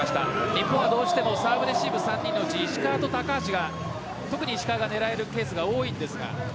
日本はサーブレシーブ３人のうち、石川と高橋特に石川が狙えるケースが多いんですが。